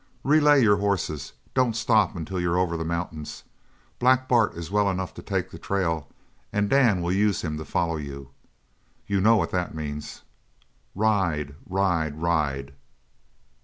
Relay your horses. Don't stop until you're over the mountains. Black Bart is well enough to take the trail and Dan will use him to follow you. You know what that means. Ride, ride, ride!